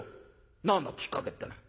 「何だ？きっかけってのは」。